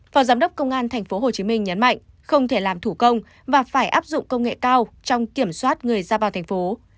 phó giám đốc công an tp hcm nhấn mạnh không thể làm thủ công và phải áp dụng công nghệ cao trong kiểm soát người ra vào thành phố